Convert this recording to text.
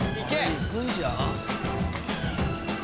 行くんじゃ？